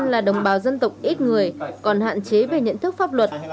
công an là đồng bào dân tộc ít người còn hạn chế về nhận thức pháp luật